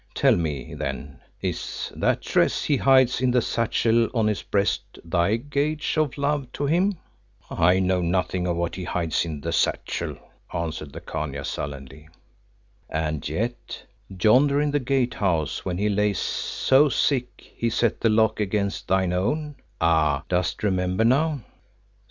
Tell me, then, is that tress he hides in the satchel on his breast thy gage of love to him?" "I know nothing of what he hides in the satchel," answered the Khania sullenly. "And yet, yonder in the Gatehouse when he lay so sick he set the lock against thine own ah, dost remember now?"